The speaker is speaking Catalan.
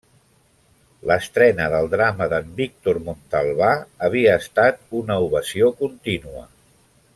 L'estrena del drama d'en Víctor Montalvà havia estat una ovació contínua.